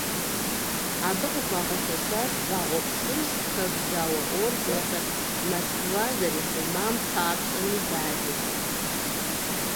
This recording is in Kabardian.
Абы къыхуагъэфэщащ Вагъуэ Плъыжь, Хэку зауэ орденхэр, «Москва зэрихъумам папщӏэ» медалыр.